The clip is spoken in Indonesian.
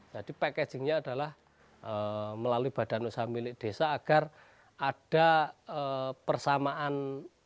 jadi packagingnya adalah melalui badan usaha milik desa agar ada persamaan